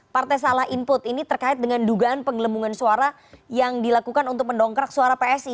partai salah input ini terkait dengan dugaan penggelembungan suara yang dilakukan untuk mendongkrak suara psi